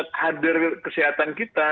kader kesehatan kita